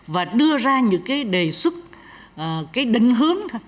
và đưa ra những cái đề xuất cái định hướng